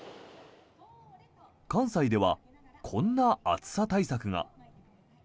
関西ではこんな暑さ対策が。